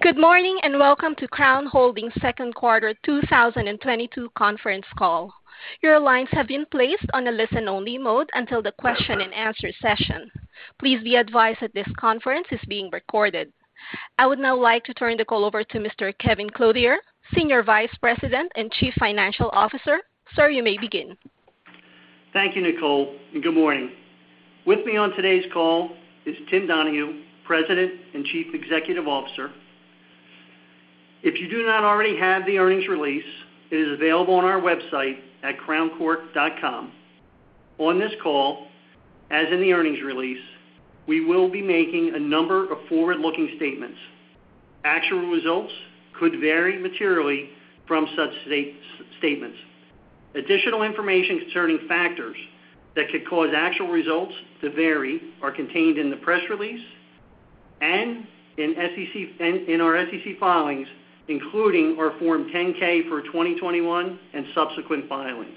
Good morning, and welcome to Crown Holdings second quarter 2022 conference call. Your lines have been placed on a listen-only mode until the question-and-answer session. Please be advised that this conference is being recorded. I would now like to turn the call over to Mr. Kevin Clothier, Senior Vice President and Chief Financial Officer. Sir, you may begin. Thank you, Nicole, and good morning. With me on today's call is Tim Donahue, President and Chief Executive Officer. If you do not already have the earnings release, it is available on our website at crowncork.com. On this call, as in the earnings release, we will be making a number of forward-looking statements. Actual results could vary materially from such statements. Additional information concerning factors that could cause actual results to vary are contained in the press release and in our SEC filings, including our Form 10-K for 2021 and subsequent filings.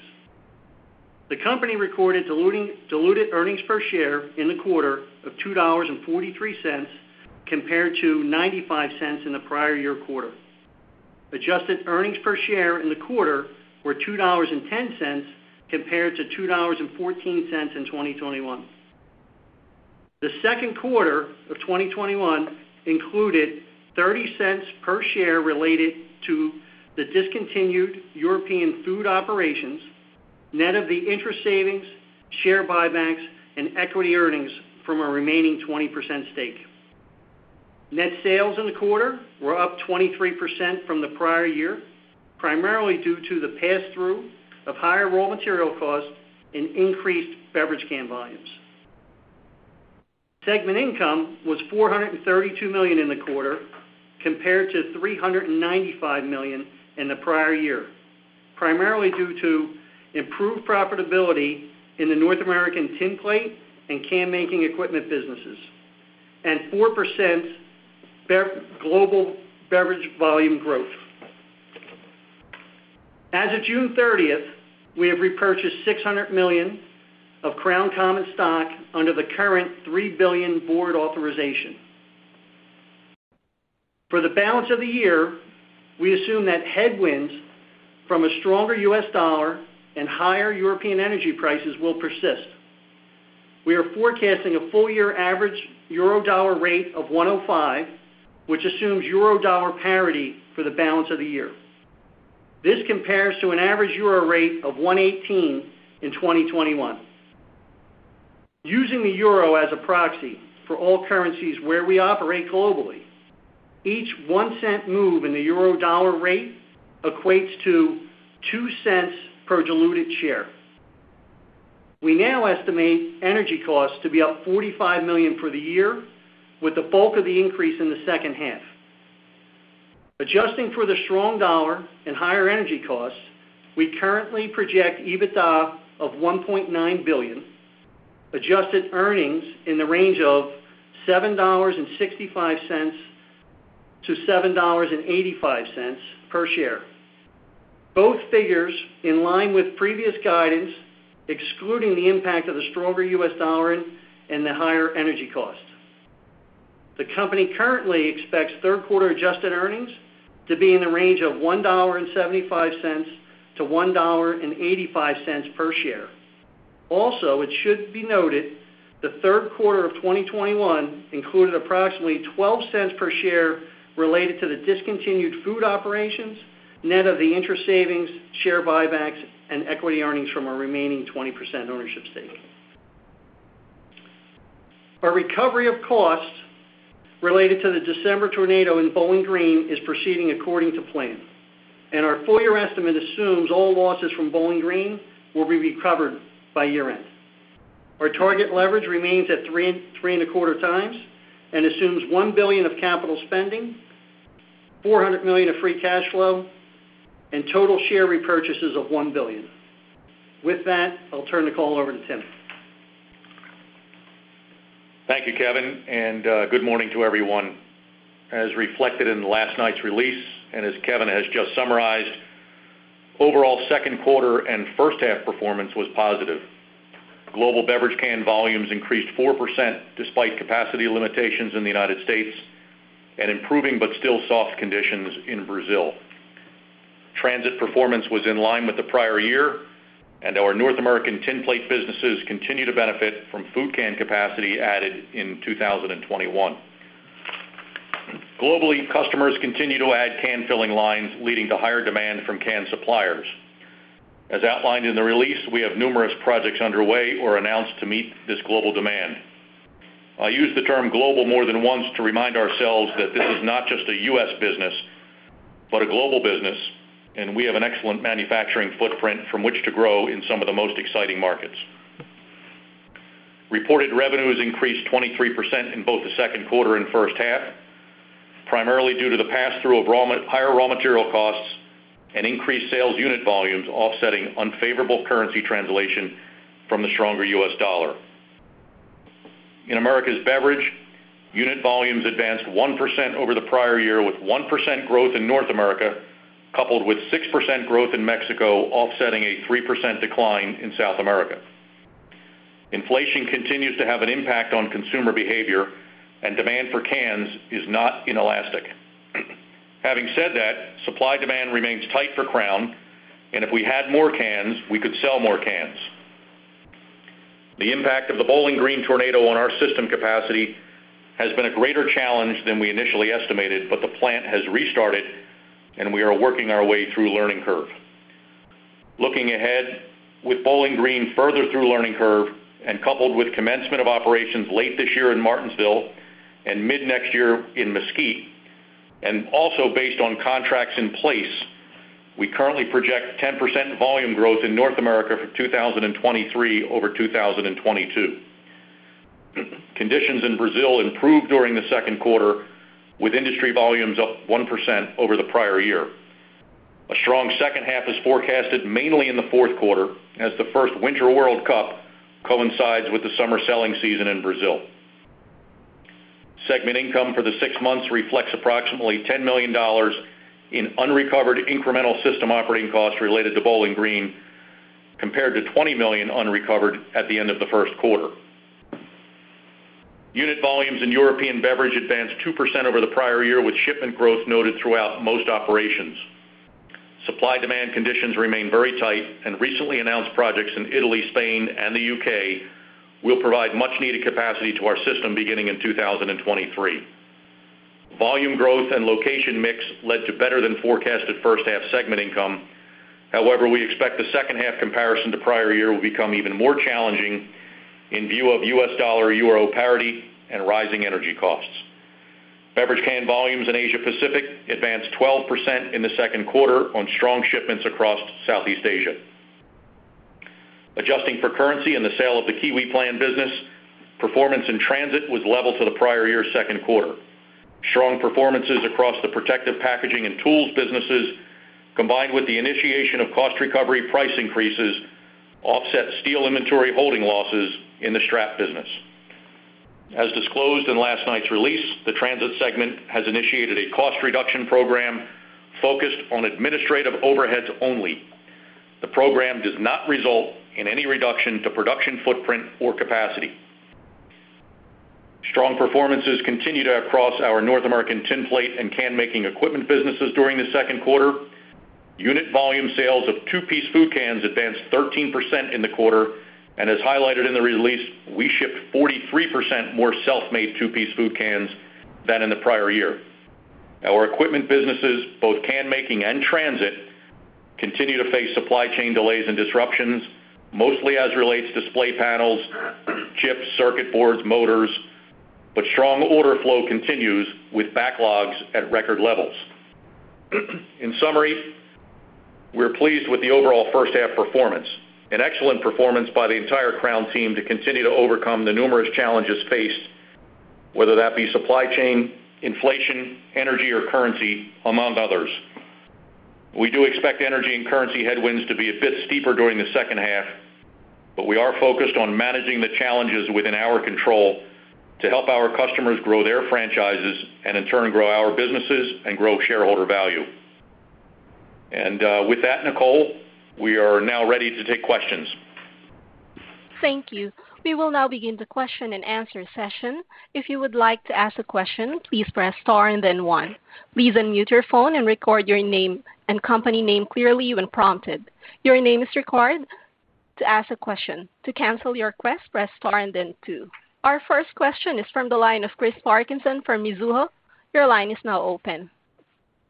The company recorded diluted earnings per share in the quarter of $2.43 compared to $0.95 in the prior year quarter. Adjusted earnings per share in the quarter were $2.10 compared to $2.14 in 2021. The second quarter of 2021 included $0.30 per share related to the discontinued European food operations, net of the interest savings, share buybacks, and equity earnings from our remaining 20% stake. Net sales in the quarter were up 23% from the prior year, primarily due to the pass-through of higher raw material costs and increased beverage can volumes. Segment income was $432 million in the quarter compared to $395 million in the prior year, primarily due to improved profitability in the North American tin plate and can-making equipment businesses, and 4% global beverage volume growth. As of June 30, we have repurchased $600 million of Crown common stock under the current $3 billion board authorization. For the balance of the year, we assume that headwinds from a stronger U.S. dollar and higher European energy prices will persist. We are forecasting a full year average euro-dollar rate of 1.05, which assumes euro-dollar parity for the balance of the year. This compares to an average euro rate of 1.18 in 2021. Using the euro as a proxy for all currencies where we operate globally, each $0.01 move in the euro-dollar rate equates to $0.02 per diluted share. We now estimate energy costs to be up $45 million for the year, with the bulk of the increase in the second half. Adjusting for the strong dollar and higher energy costs, we currently project EBITDA of $1.9 billion, adjusted earnings in the range of $7.65-$7.85 per share. Both figures in line with previous guidance, excluding the impact of the stronger U.S. dollar and the higher energy costs. The company currently expects third quarter adjusted earnings to be in the range of $1.75-$1.85 per share. Also, it should be noted, the third quarter of 2021 included approximately $0.12 per share related to the discontinued food operations, net of the interest savings, share buybacks, and equity earnings from our remaining 20% ownership stake. Our recovery of costs related to the December tornado in Bowling Green is proceeding according to plan, and our full year estimate assumes all losses from Bowling Green will be recovered by year-end. Our target leverage remains at 3x-3.25x and assumes $1 billion of capital spending, $400 million of free cash flow, and total share repurchases of $1 billion. With that, I'll turn the call over to Tim. Thank you, Kevin, and good morning to everyone. As reflected in last night's release, and as Kevin has just summarized, overall second quarter and first half performance was positive. Global beverage can volumes increased 4% despite capacity limitations in the United States and improving but still soft conditions in Brazil. Transit performance was in line with the prior year, and our North American tin plate businesses continue to benefit from food can capacity added in 2021. Globally, customers continue to add can-filling lines, leading to higher demand from can suppliers. As outlined in the release, we have numerous projects underway or announced to meet this global demand. I use the term global more than once to remind ourselves that this is not just a U.S. business, but a global business, and we have an excellent manufacturing footprint from which to grow in some of the most exciting markets. Reported revenues increased 23% in both the second quarter and first half, primarily due to the pass-through of higher raw material costs and increased sales unit volumes offsetting unfavorable currency translation from the stronger U.S. dollar. In Americas Beverage, unit volumes advanced 1% over the prior year, with 1% growth in North America, coupled with 6% growth in Mexico, offsetting a 3% decline in South America. Inflation continues to have an impact on consumer behavior and demand for cans is not inelastic. Having said that, supply demand remains tight for Crown, and if we had more cans, we could sell more cans. The impact of the Bowling Green tornado on our system capacity has been a greater challenge than we initially estimated, but the plant has restarted and we are working our way through learning curve. Looking ahead, with Bowling Green further through learning curve and coupled with commencement of operations late this year in Martinsville and mid-next year in Mesquite, and also based on contracts in place, we currently project 10% volume growth in North America for 2023 over 2022. Conditions in Brazil improved during the second quarter, with industry volumes up 1% over the prior year. A strong second half is forecasted mainly in the fourth quarter as the first Winter World Cup coincides with the summer selling season in Brazil. Segment income for the six months reflects approximately $10 million in unrecovered incremental system operating costs related to Bowling Green, compared to $20 million unrecovered at the end of the first quarter. Unit volumes in European Beverage advanced 2% over the prior year, with shipment growth noted throughout most operations. Supply-demand conditions remain very tight and recently announced projects in Italy, Spain, and the U.K. will provide much-needed capacity to our system beginning in 2023. Volume growth and location mix led to better than forecasted first half segment income. However, we expect the second half comparison to prior year will become even more challenging in view of U.S. dollar-euro parity and rising energy costs. Beverage can volumes in Asia Pacific advanced 12% in the second quarter on strong shipments across Southeast Asia. Adjusting for currency and the sale of the Kiwiplan business, performance in transit was level to the prior year's second quarter. Strong performances across the protective packaging and tools businesses, combined with the initiation of cost recovery price increases, offset steel inventory holding losses in the strap business. As disclosed in last night's release, the transit segment has initiated a cost reduction program focused on administrative overheads only. The program does not result in any reduction to production footprint or capacity. Strong performances continued across our North American tin plate and can-making equipment businesses during the second quarter. Unit volume sales of two-piece food cans advanced 13% in the quarter. As highlighted in the release, we shipped 43% more self-made two-piece food cans than in the prior year. Our equipment businesses, both can making and transit, continue to face supply chain delays and disruptions, mostly as relates display panels, chips, circuit boards, motors. Strong order flow continues with backlogs at record levels. In summary, we're pleased with the overall first half performance, an excellent performance by the entire Crown team to continue to overcome the numerous challenges faced, whether that be supply chain, inflation, energy or currency, among others. We do expect energy and currency headwinds to be a bit steeper during the second half, but we are focused on managing the challenges within our control to help our customers grow their franchises and in turn grow our businesses and grow shareholder value. With that, Nicole, we are now ready to take questions. Thank you. We will now begin the question-and-answer session. If you would like to ask a question, please press star and then one. Please unmute your phone and record your name and company name clearly when prompted. Your name is required to ask a question. To cancel your request, press star and then two. Our first question is from the line of Chris Parkinson from Mizuho. Your line is now open.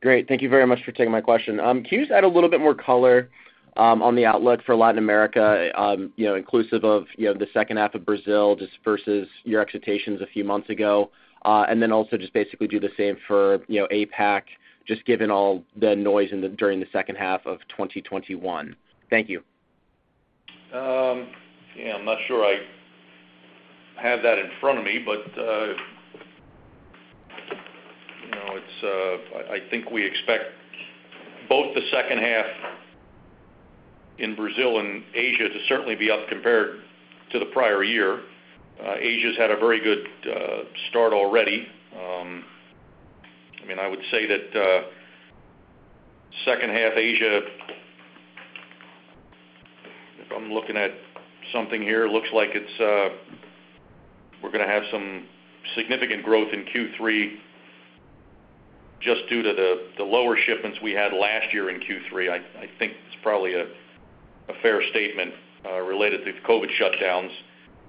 Great. Thank you very much for taking my question. Can you just add a little bit more color on the outlook for Latin America, you know, inclusive of, you know, the second half of Brazil just versus your expectations a few months ago? And then also just basically do the same for, you know, APAC, just given all the noise in the during the second half of 2021. Thank you. Yeah, I'm not sure I have that in front of me, but you know, it's--I think, we expect both the second half in Brazil and Asia to certainly be up compared to the prior year. Asia's had a very good start already. I mean, I would say that second half Asia, if I'm looking at something here, looks like it's--we're gonna have some significant growth in Q3 just due to the lower shipments we had last year in Q3. I think it's probably a fair statement related to the COVID shutdowns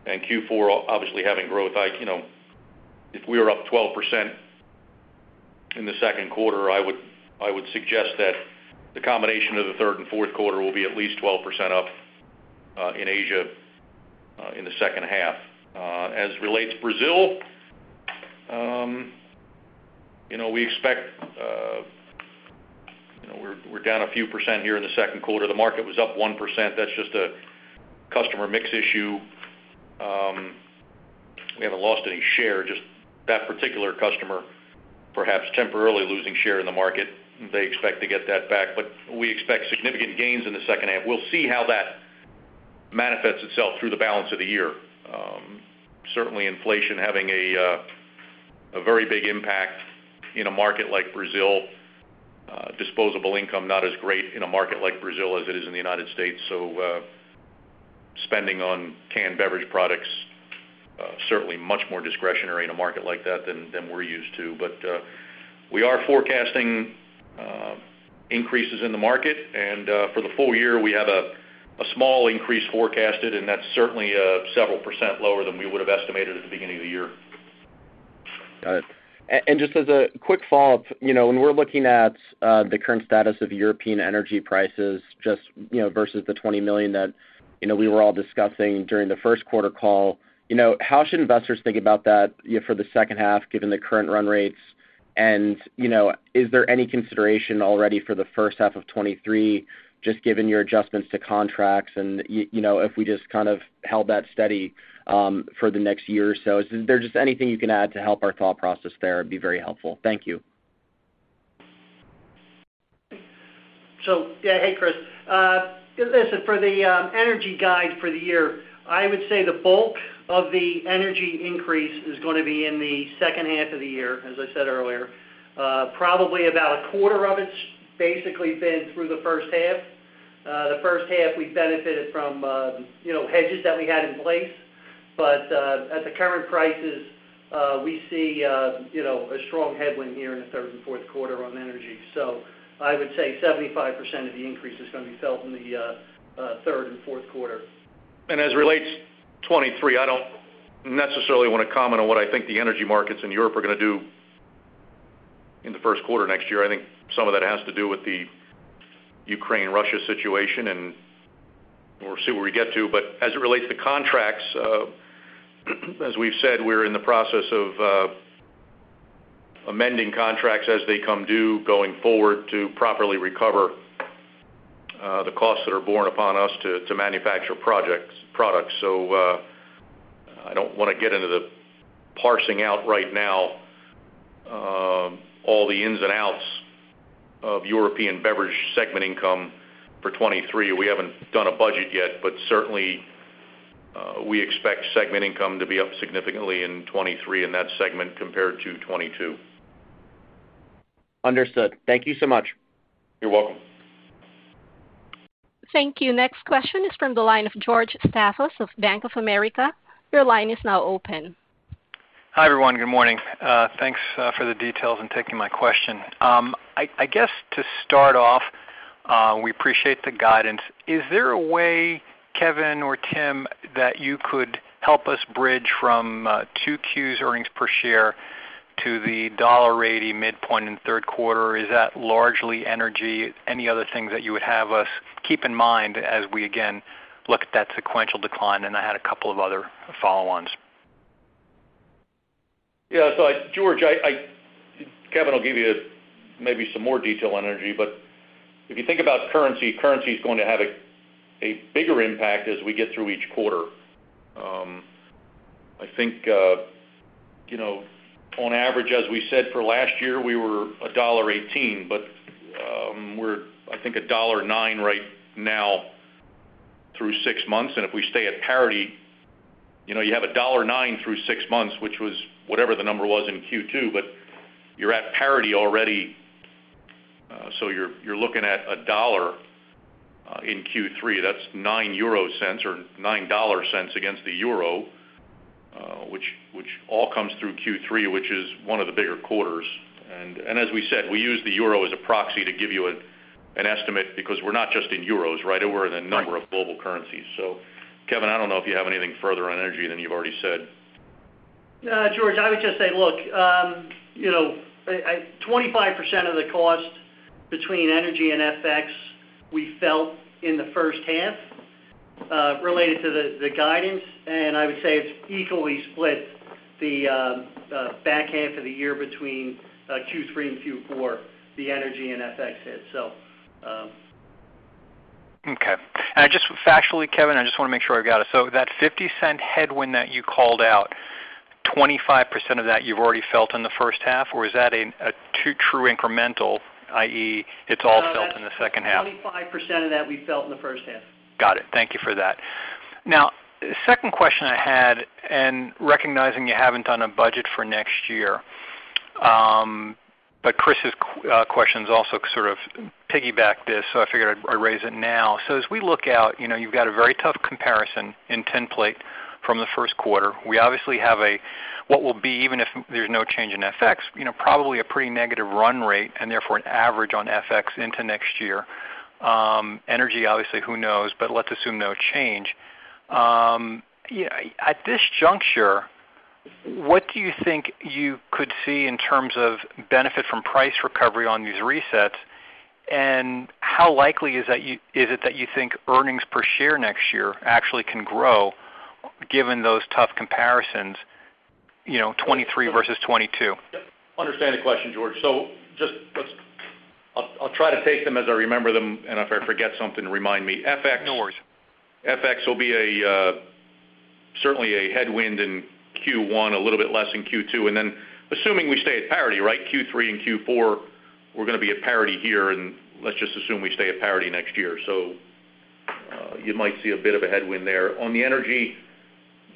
and Q4 obviously having growth. You know, if we were up 12% in the second quarter, I would suggest that the combination of the third and fourth quarter will be at least 12% up in Asia in the second half. As relates Brazil, you know, we expect, you know, we're down a few percent here in the second quarter. The market was up 1%. That's just a customer mix issue. We haven't lost any share, just that particular customer perhaps temporarily losing share in the market. They expect to get that back, but we expect significant gains in the second half. We'll see how that manifests itself through the balance of the year. Certainly inflation having a very big impact in a market like Brazil. Disposable income not as great in a market like Brazil as it is in the United States. Spending on canned beverage products certainly much more discretionary in a market like that than we're used to. We are forecasting increases in the market. For the full year, we have a small increase forecasted, and that's certainly several% lower than we would've estimated at the beginning of the year. Got it. Just as a quick follow-up, you know, when we're looking at the current status of European energy prices just, you know, versus the $20 million that, you know, we were all discussing during the first quarter call. You know, how should investors think about that, you know, for the second half, given the current run rates? You know, is there any consideration already for the first half of 2023, just given your adjustments to contracts and, you know, if we just kind of held that steady for the next year or so? Is there--just anything you can add to help our thought process there would be very helpful. Thank you. Yeah, hey, Chris. Listen, for the energy guide for the year, I would say the bulk of the energy increase is gonna be in the second half of the year, as I said earlier. Probably about a quarter of it's basically been through the first half. The first half we benefited from, you know, hedges that we had in place. But at the current prices, we see, you know, a strong headwind here in the third and fourth quarter on energy. I would say 75% of the increase is gonna be felt in the third and fourth quarter. As it relates to 2023, I don't necessarily wanna comment on what I think the energy markets in Europe are gonna do in the first quarter next year. I think some of that has to do with the Ukraine-Russia situation, and we'll see where we get to. As it relates to contracts, as we've said, we're in the process of amending contracts as they come due, going forward, to properly recover the costs that are borne upon us to manufacture products. I don't wanna get into the parsing out right now all the ins and outs of European beverage segment income for 2023. We haven't done a budget yet, but certainly we expect segment income to be up significantly in 2023 in that segment compared to 2022. Understood. Thank you so much. You're welcome. Thank you. Next question is from the line of George Staphos of Bank of America. Your line is now open. Hi, everyone. Good morning. Thanks for the details and taking my question. I guess to start off, we appreciate the guidance. Is there a way, Kevin or Tim, that you could help us bridge from 2Q earnings per share to the $1.80 midpoint in the third quarter? Is that largely energy? Any other things that you would have us keep in mind as we again look at that sequential decline? I have a couple of other follow-ons. Yeah. George, Kevin will give you maybe some more detail on energy, but if you think about currency's going to have a bigger impact as we get through each quarter. I think, you know, on average, as we said for last year, we were $1.18, but, we're, I think, $1.09 right now through six months. If we stay at parity, you know, you have $1.09 through six months, which was whatever the number was in Q2, but you're at parity already, so you're looking at a dollar in Q3. That's 0.09 or $0.09 against the euro, which all comes through Q3, which is one of the bigger quarters. As we said, we use the euro as a proxy to give you an estimate because we're not just in euros, right? We're in a number of global currencies. Kevin, I don't know if you have anything further on energy than you've already said. George, I would just say, look, you know, 25% of the cost between energy and FX we felt in the first half related to the guidance. I would say it's equally split the back half of the year between Q3 and Q4, the energy and FX hit. Okay. Just factually, Kevin, I just wanna make sure I've got it. That $0.50 headwind that you called out, 25% of that you've already felt in the first half? Or is that a true incremental, i.e., it's all felt in the second half? 25% of that we felt in the first half. Got it. Thank you for that. Now, second question I had, and recognizing you haven't done a budget for next year, but Chris's question's also sort of piggyback this, so I figured I'd raise it now. As we look out, you know, you've got a very tough comparison in tinplate from the first quarter. We obviously have a, what will be, even if there's no change in FX, you know, probably a pretty negative run rate, and therefore an average on FX into next year. Energy, obviously, who knows? Let's assume no change. Yeah, at this juncture, what do you think you could see in terms of benefit from price recovery on these resets, and how likely is that is it that you think earnings per share next year actually can grow given those tough comparisons, you know, 2023 versus 2022? Understand the question, George. I'll try to take them as I remember them, and if I forget something, remind me. FX- No worries. FX will be a, certainly a headwind in Q1, a little bit less in Q2. Assuming we stay at parity, right, Q3 and Q4, we're gonna be at parity here, and let's just assume we stay at parity next year. You might see a bit of a headwind there. On the energy,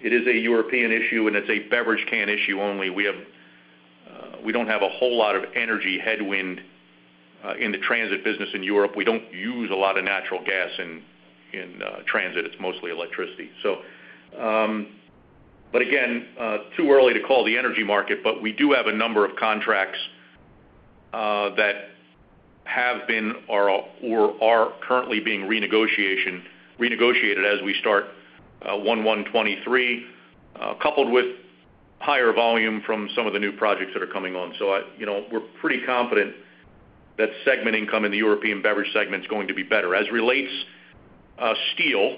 it is a European issue, and it's a beverage can issue only. We have--we don't have a whole lot of energy headwind in the transit business in Europe. We don't use a lot of natural gas in transit. It's mostly electricity. But again, too early to call the energy market, but we do have a number of contracts that have been or are currently being renegotiated as we start 1/1/2023, coupled with higher volume from some of the new projects that are coming on. You know, we're pretty confident that segment income in the European beverage segment is going to be better. As relates steel,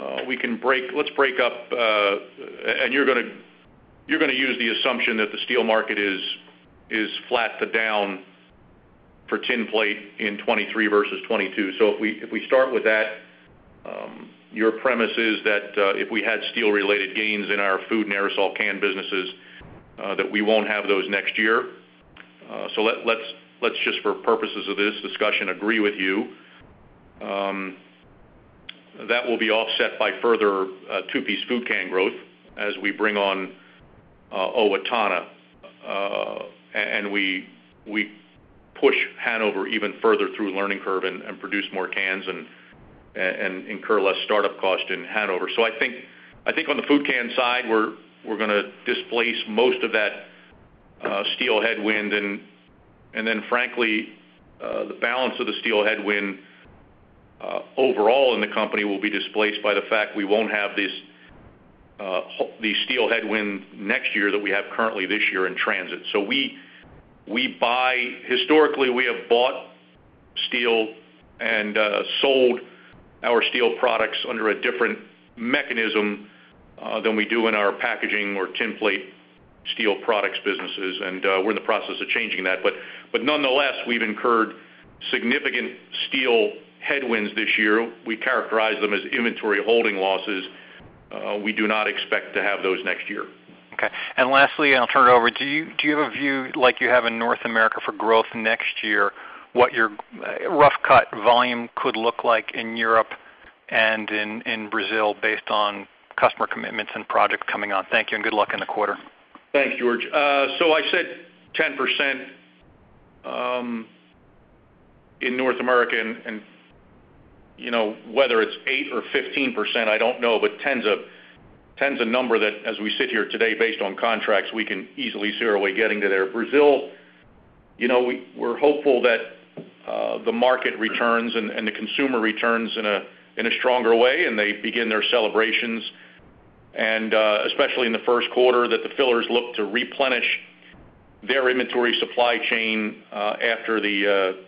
let's break up. And you're gonna use the assumption that the steel market is flat to down for tin plate in 2023 versus 2022. If we start with that, your premise is that if we had steel-related gains in our food and aerosol can businesses, that we won't have those next year. Let's just, for purposes of this discussion, agree with you. That will be offset by further two-piece food can growth as we bring on Owatonna and we push Hanover even further through learning curve, and produce more cans and incur less startup cost in Hanover. I think on the food can side, we're gonna displace most of that steel headwind. Then, frankly, the balance of the steel headwind overall in the company will be displaced by the fact we won't have these the steel headwind next year that we have currently this year in transit. We buy. Historically, we have bought steel and sold our steel products under a different mechanism than we do in our packaging or tinplate steel products businesses. We're in the process of changing that. Nonetheless, we've incurred significant steel headwinds this year. We characterize them as inventory holding losses. We do not expect to have those next year. Okay. Lastly, I'll turn it over. Do you have a view like you have in North America for growth next year, what your rough cut volume could look like in Europe and in Brazil based on customer commitments and projects coming on? Thank you, and good luck in the quarter. Thanks, George. I said 10% in North America. You know, whether it's 8% or 15%, I don't know, but 10 is a number that, as we sit here today, based on contracts, we can easily see our way getting to there. Brazil, you know, we're hopeful that the market returns and the consumer returns in a stronger way, and they begin their celebrations. Especially in the first quarter, that the fillers look to replenish their inventory supply chain after the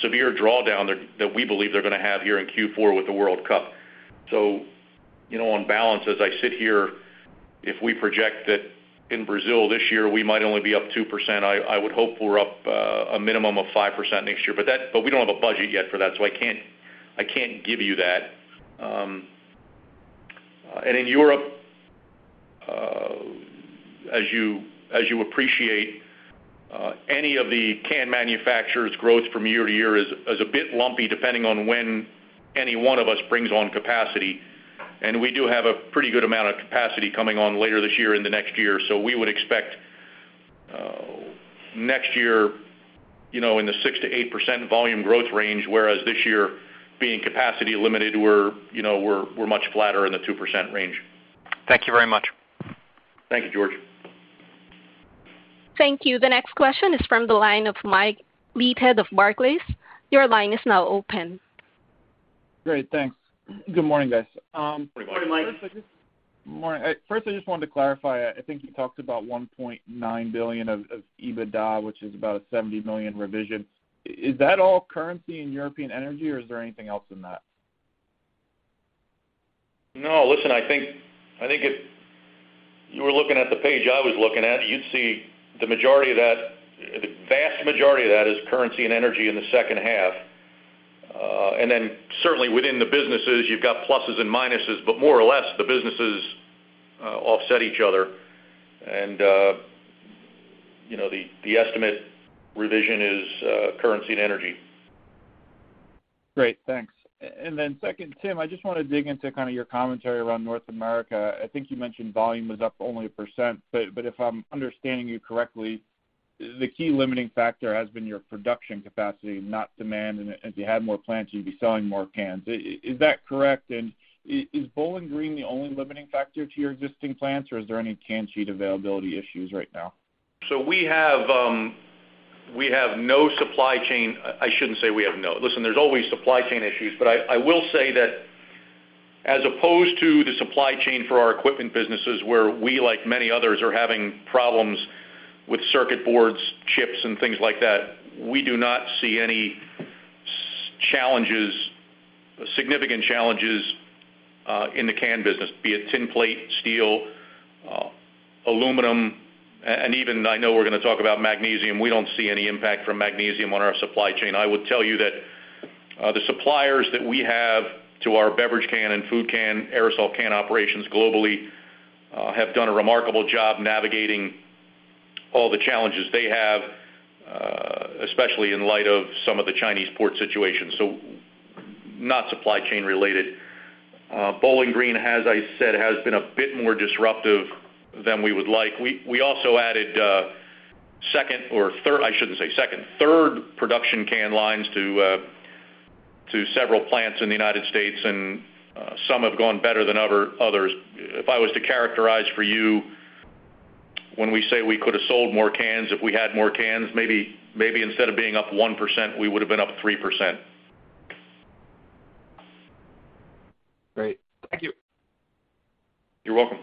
severe drawdown that we believe they're gonna have here in Q4 with the World Cup. You know, on balance, as I sit here, if we project that in Brazil this year, we might only be up 2%. I would hope we're up a minimum of 5% next year. We don't have a budget yet for that, so I can't give you that. In Europe, as you appreciate, any of the can manufacturers growth from year to year is a bit lumpy, depending on when any one of us brings on capacity. We do have a pretty good amount of capacity coming on later this year and the next year. We would expect, next year, you know, in the 6%-8% volume growth range, whereas this year, being capacity limited, we're, you know, much flatter in the 2% range. Thank you very much. Thank you, George. Thank you. The next question is from the line of Mike Leithead of Barclays. Your line is now open. Great, thanks. Good morning, guys. Good morning, Mike. Good morning. First, I just wanted to clarify. I think you talked about $1.9 billion of EBITDA, which is about a $70 million revision. Is that all currency in European energy, or is there anything else in that? No. Listen, I think if you were looking at the page I was looking at, you'd see the majority of that, the vast majority of that is currency and energy in the second half. Then certainly within the businesses, you've got pluses and minuses, but more or less, the businesses offset each other. You know, the estimate revision is currency and energy. Great, thanks. Second, Tim, I just wanna dig into kinda your commentary around North America. I think you mentioned volume was up only 1%, but if I'm understanding you correctly, the key limiting factor has been your production capacity, not demand. If you had more plants, you'd be selling more cans. Is that correct? Is Bowling Green the only limiting factor to your existing plants, or is there any can sheet availability issues right now? We have no supply chain--I shouldn't say we have no. Listen, there's always supply chain issues. I will say that as opposed to the supply chain for our equipment businesses, where we, like many others, are having problems with circuit boards, chips and things like that, we do not see any challenges, significant challenges, in the can business. Be it tin plate, steel, aluminum, and even I know we're gonna talk about magnesium. We don't see any impact from magnesium on our supply chain. I would tell you that the suppliers that we have to our beverage can and food can, aerosol can operations globally have done a remarkable job navigating all the challenges they have. Especially in light of some of the Chinese port situations, so not supply-chain related. Bowling Green has been a bit more disruptive than we would like. We also added second or third--I shouldn't say second--third production can lines to several plants in the United States, and some have gone better than others. If I was to characterize for you when we say we could have sold more cans if we had more cans, maybe instead of being up 1%, we would have been up 3%. Great. Thank you. You're welcome.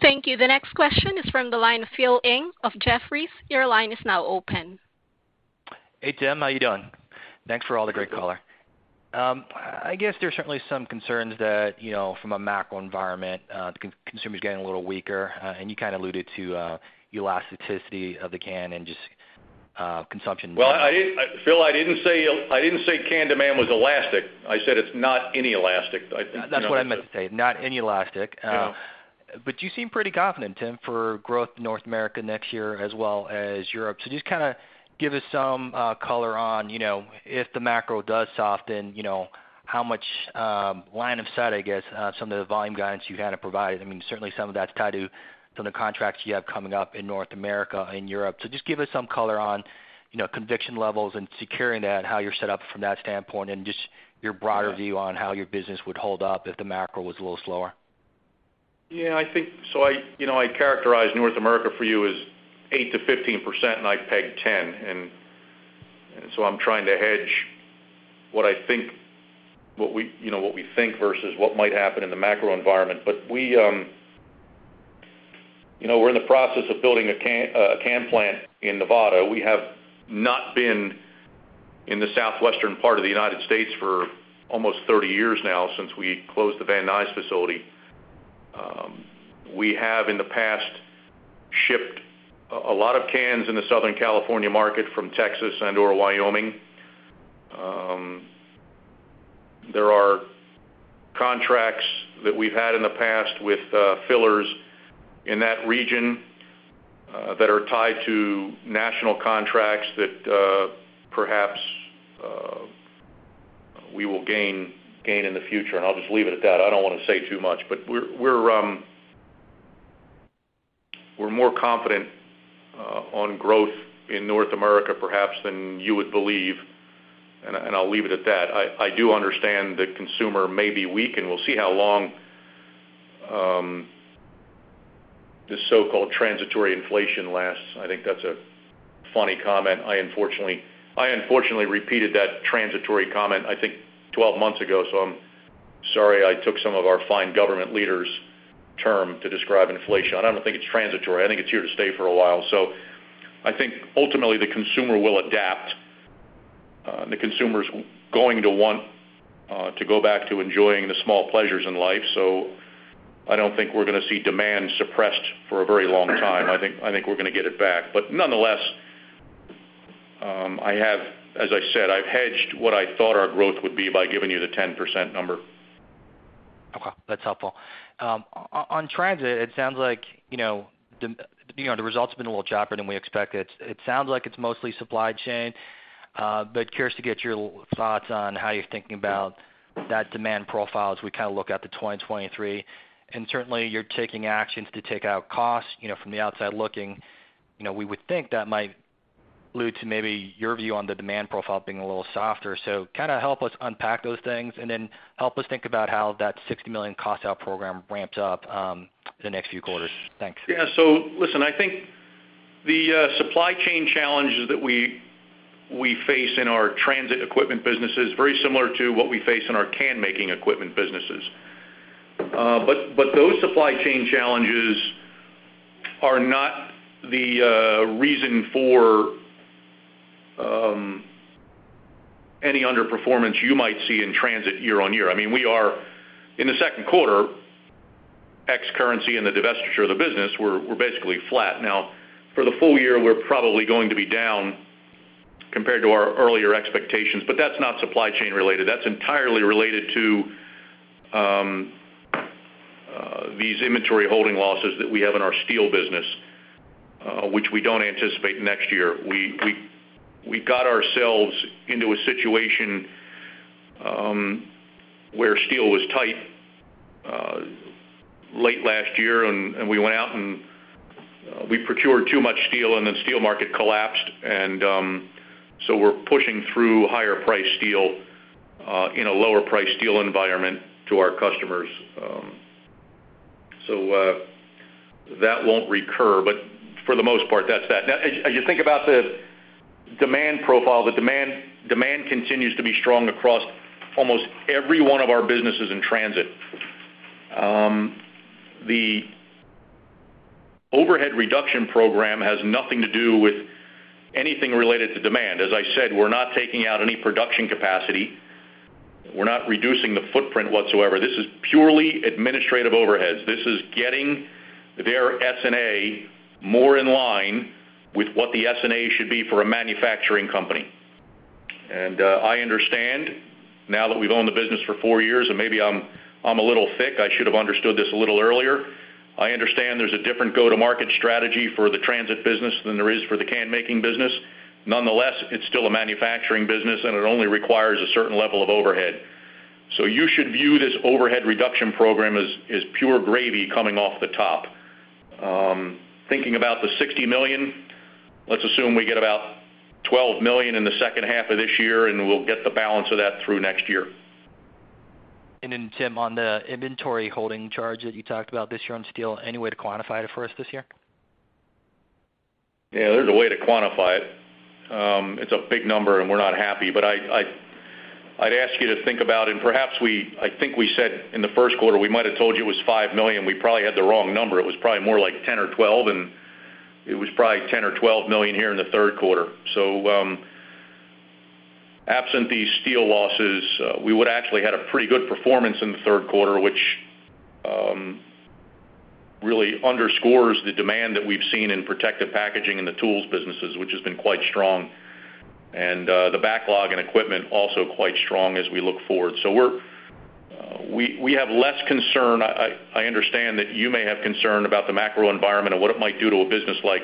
Thank you. The next question is from the line of Philip Ng of Jefferies. Your line is now open. Hey, Tim. How you doing? Thanks for all the great color. I guess there's certainly some concerns that, you know, from a macro environment, the consumer is getting a little weaker. You kind of alluded to elasticity of the can and just consumption. Well, Phil, I didn't say can demand was elastic. I said it's not inelastic. I think, you know, what I said. That's what I meant to say, not inelastic. Yeah. You seem pretty confident, Tim, for growth in North America next year as well as Europe. Just kinda give us some color on, you know, if the macro does soften, you know, how much line of sight, I guess, some of the volume guidance you had to provide. I mean, certainly some of that's tied to some of the contracts you have coming up in North America and Europe. Just, give us some color on, you know, conviction levels and securing that, how you're set up from that standpoint and just your broader view on how your business would hold up if the macro was a little slower. Yeah, I think--So, you know, I characterize North America for you as 8%-15%, and I peg 10%. I'm trying to hedge what I think, what we, you know, what we think versus what might happen in the macro environment. You know, we're in the process of building a can plant in Nevada. We have not been in the southwestern part of the United States for almost 30 years now since we closed the Van Nuys facility. We have in the past shipped a lot of cans in the Southern California market from Texas or Wyoming. There are contracts that we've had in the past with fillers in that region that are tied to national contracts that perhaps we will gain in the future. I'll just leave it at that. I don't wanna say too much. We're more confident on growth in North America perhaps than you would believe, and I'll leave it at that. I do understand the consumer may be weak, and we'll see how long this so-called transitory inflation lasts. I think that's a funny comment. I unfortunately repeated that transitory comment, I think 12 months ago, so I'm sorry I took some of our fine government leader's term to describe inflation. I don't think it's transitory. I think it's here to stay for a while. I think ultimately the consumer will adapt. The consumer's going to want to go back to enjoying the small pleasures in life. I don't think we're gonna see demand suppressed for a very long time. I think we're gonna get it back. Nonetheless, I have, as I said, I've hedged what I thought our growth would be by giving you the 10% number. Okay. That's helpful. On transit, it sounds like, you know, the results have been a little choppier than we expected. It sounds like it's mostly supply chain, but curious to get your thoughts on how you're thinking about that demand profile as we kind of look out to 2023. Certainly, you're taking actions to take out costs, you know, from the outside looking. You know, we would think that might allude to maybe your view on the demand profile being a little softer. Kinda help us unpack those things, and then help us think about how that $60 million cost out program ramps up, the next few quarters. Thanks. Yeah. Listen, I think the supply chain challenges that we face in our transit equipment business is very similar to what we face in our can-making equipment businesses. But those supply chain challenges are not the reason for any underperformance you might see in transit year-over-year. I mean, we are in the second quarter, ex currency and the divestiture of the business, we're basically flat. Now, for the full year, we're probably going to be down compared to our earlier expectations, but that's not supply chain related. That's entirely related to these inventory holding losses that we have in our steel business, which we don't anticipate next year. We got ourselves into a situation where steel was tight late last year, and we went out and we procured too much steel, and the steel market collapsed. So we're pushing through higher priced steel in a lower priced steel environment to our customers. That won't recur, but for the most part, that's that. Now, as you think about the demand profile, the demand continues to be strong across almost every one of our businesses in transit. The overhead reduction program has nothing to do with anything related to demand. As I said, we're not taking out any production capacity. We're not reducing the footprint whatsoever. This is purely administrative overheads. This is getting their SG&A more in line with what the SG&A should be for a manufacturing company. I understand now that we've owned the business for four years, and maybe I'm a little thick. I should have understood this a little earlier. I understand there's a different go-to-market strategy for the transit business than there is for the can-making business. Nonetheless, it's still a manufacturing business, and it only requires a certain level of overhead. You should view this overhead reduction program as pure gravy coming off the top. Thinking about the $60 million, let's assume we get about $12 million in the second half of this year, and we'll get the balance of that through next year. Tim, on the inventory holding charge that you talked about this year on steel, any way to quantify it for us this year? Yeah, there's a way to quantify it. It's a big number, and we're not happy. I'd ask you to think about it. I think we said in the first quarter, we might have told you it was $5 million. We probably had the wrong number. It was probably more like 10 or 12, and it was probably $10 million or $12 million here in the third quarter. Absent these steel losses, we would actually had a pretty good performance in the third quarter, which really underscores the demand that we've seen in protective packaging in the tools businesses, which has been quite strong. The backlog and equipment also quite strong as we look forward. We have less concern. I understand that you may have concern about the macro environment and what it might do to a business like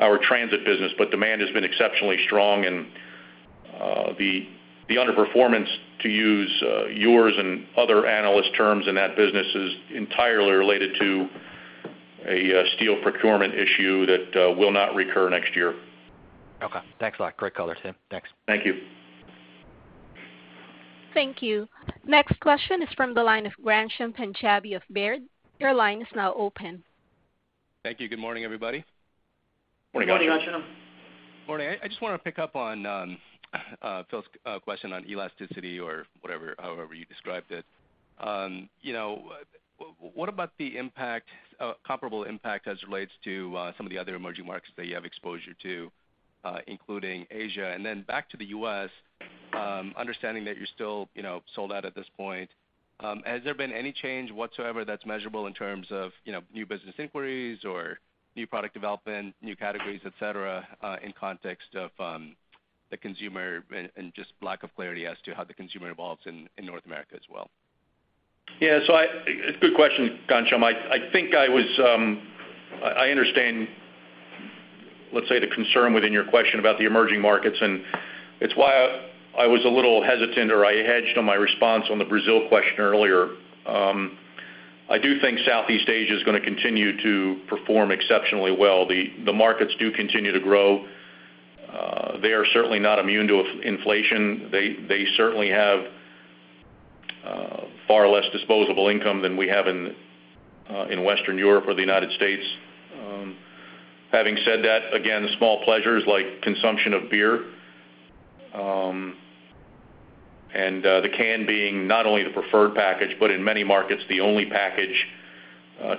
our transit business, but demand has been exceptionally strong. The underperformance, to use yours and other analysts' terms in that business is entirely related to a steel procurement issue that will not recur next year. Okay. Thanks a lot. Great color, Tim. Thanks. Thank you. Thank you. Next question is from the line of Ghansham Panjabi of Baird. Your line is now open. Thank you. Good morning, everybody. Good morning, Ghansham. Good morning, Ghansham. Morning. I just wanna pick up on Phil's question on elasticity or whatever, however you described it. You know, what about the impact, comparable impact as it relates to some of the other emerging markets that you have exposure to, including Asia? Then back to the U.S., understanding that you're still, you know, sold out at this point, has there been any change whatsoever that's measurable in terms of, you know, new business inquiries or new product development, new categories, et cetera, in context of the consumer and just lack of clarity as to how the consumer evolves in North America as well? Yeah. It's a good question, Ghansham. I think I was--I understand, let's say, the concern within your question about the emerging markets, and it's why I was a little hesitant or I hedged on my response on the Brazil question earlier. I do think Southeast Asia is gonna continue to perform exceptionally well. The markets do continue to grow. They are certainly not immune to inflation. They certainly have far less disposable income than we have in Western Europe or the United States. Having said that, again, small pleasures like consumption of beer, and the can being not only the preferred package, but in many markets, the only package,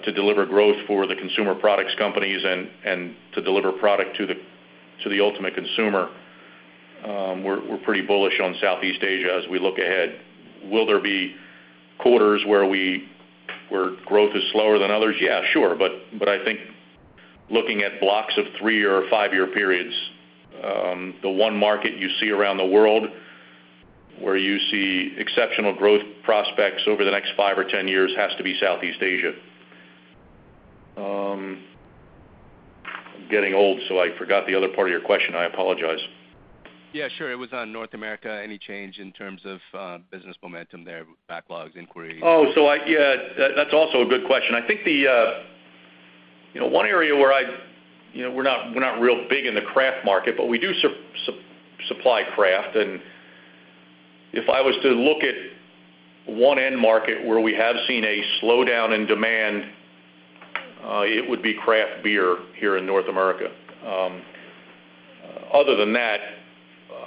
to deliver growth for the consumer products companies and to deliver product to the ultimate consumer. We're pretty bullish on Southeast Asia as we look ahead. Will there be quarters where growth is slower than others? Yeah, sure. But I think looking at blocks of three or five-year periods, the one market you see around the world where you see exceptional growth prospects over the next five or 10 years has to be Southeast Asia. I'm getting old, so I forgot the other part of your question. I apologize. Yeah, sure. It was on North America. Any change in terms of, business momentum there, backlogs, inquiries? Yeah, that's also a good question. I think, you know, one area where I--you know, we're not real big in the craft market, but we do supply craft. If I was to look at one end market where we have seen a slowdown in demand, it would be craft beer here in North America. Other than that,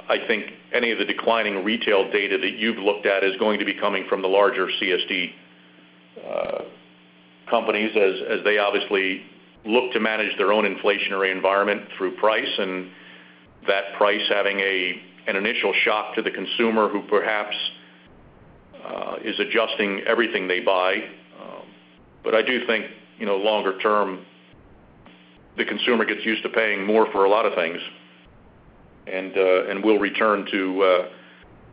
I think any of the declining retail data that you've looked at is going to be coming from the larger CSD companies as they obviously look to manage their own inflationary environment through price, and that price having an initial shock to the consumer who perhaps is adjusting everything they buy. I do think, you know, longer term, the consumer gets used to paying more for a lot of things and we'll return to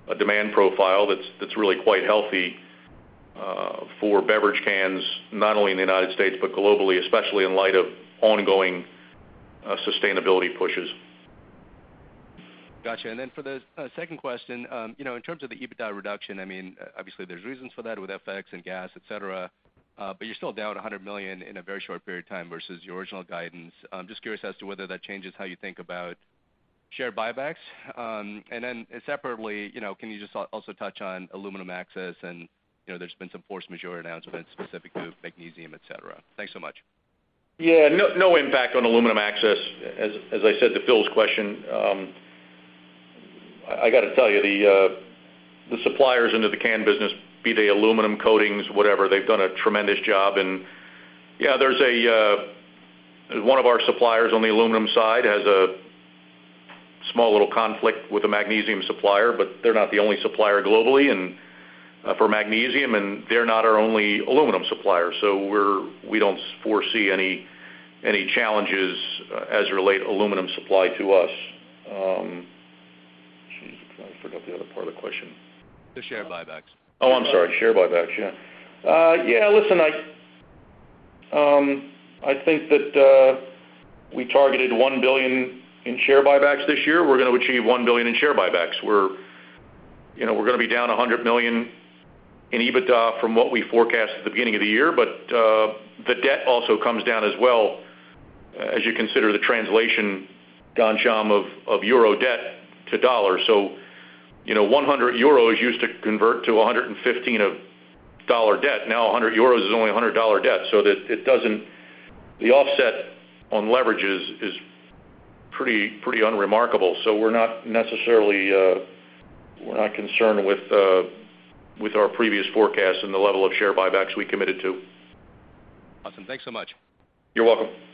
a demand profile that's really quite healthy for beverage cans, not only in the United States, but globally, especially in light of ongoing sustainability pushes. Gotcha. Then for the second question, you know, in terms of the EBITDA reduction, I mean, obviously there's reasons for that with FX and gas, et cetera, but you're still down $100 million in a very short period of time versus your original guidance. I'm just curious as to whether that changes how you think about share buybacks. Separately, you know, can you just also touch on aluminum access and, you know, there's been some force majeure announcements specific to magnesium, et cetera. Thanks so much. Yeah. No impact on aluminum access. As I said to Phil's question, I gotta tell you, the suppliers into the can business, be they aluminum coatings, whatever, they've done a tremendous job. Yeah, there's one of our suppliers on the aluminum side has a small little conflict with the magnesium supplier, but they're not the only supplier globally for magnesium, and they're not our only aluminum supplier, so we don't foresee any challenges as relate aluminum supply to us. Geez, I forgot the other part of the question. The share buybacks. Oh, I'm sorry. Share buybacks. I think that we targeted $1 billion in share buybacks this year. We're gonna achieve $1 billion in share buybacks. You know, we're gonna be down $100 million in EBITDA from what we forecast at the beginning of the year, but the debt also comes down as well as you consider the translation, Ghansham, of euro debt to dollars. You know, 100 euros used to convert to $115 of dollar debt. Now 100 euros is only $100 dollar debt, so that it doesn't--the offset on leverage is pretty unremarkable. We're not necessarily concerned with our previous forecast and the level of share buybacks we committed to. Awesome. Thanks so much. You're welcome. Thank you.